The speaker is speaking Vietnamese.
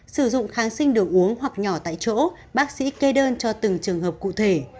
sử dụng kháng sinh đồ uống hoặc nhỏ tại chỗ bác sĩ kê đơn cho từng trường hợp cụ thể